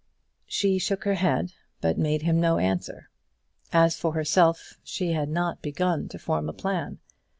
She shook her head, but made him no answer. As for herself she had not begun to form a plan.